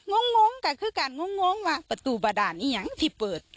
งงก็คือกันงงว่าประตูบ่าด่านนี้ยังที่เปิด